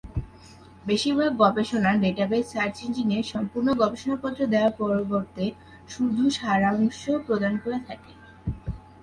বেশিরভাগ গবেষণা database search ইঞ্জিনে সম্পূর্ণ গবেষণাপত্র দেওয়ার পরিবর্তে শুরু সারাংশ প্রদান করে থাকে।